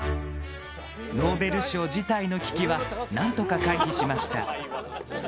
ノーベル賞辞退の危機はなんとか回避しました。